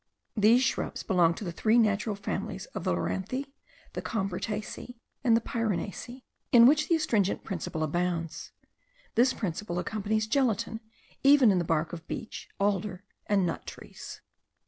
These shrubs belong to the three natural families of the Lorantheae, the Combretaceae, and the Pyrenaceae, in which the astringent principle abounds; this principle accompanies gelatin, even in the bark of beech, alder, and nut trees.